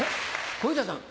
小遊三さん